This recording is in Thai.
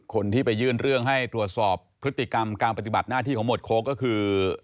คนที่ไปยื่นเรื่องให้ตรวจสอบพฤติกรรมการปฏิบัติหน้าที่ของหมวดโค้กก็คือ